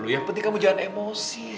yang penting kamu jangan emosi